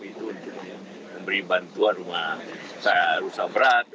itu memberi bantuan rumah rusak berat